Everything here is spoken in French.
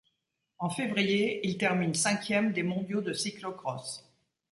En février, il termine cinquième des mondiaux de cyclo-cross.